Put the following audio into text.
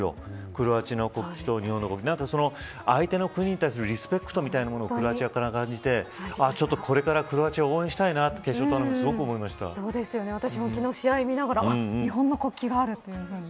クロアチアの国旗と日本の国旗相手の国に対するリスペクトもクロアチアから感じてこれからクロアチアを私も昨日、試合を見ながら日本の国旗があると思いました。